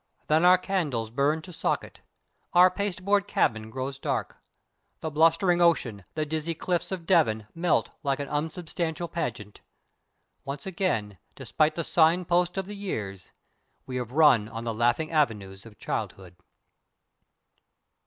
_ _Then our candles burn to socket. Our pasteboard cabin grows dark. The blustering ocean, the dizzy cliffs of Devon, melt like an unsubstantial pageant. Once again, despite the signpost of the years, we have run on the "laughing avenues of childhood."